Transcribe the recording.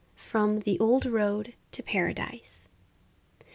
_ From "The Old Road to Paradise."